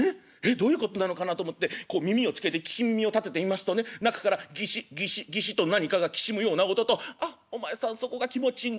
どういうことなのかなと思って耳を付けて聞き耳を立てていますとね中からギシッギシッギシッと何かがきしむような音と『あっお前さんそこが気持ちいいんだよ。